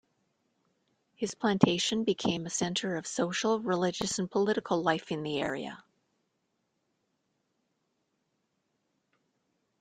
His plantation became a center of social, religious, and political life in the area.